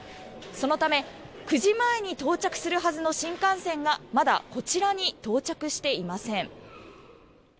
そのため、９時前に到着するはずの新幹線がまだこちらに到着していません。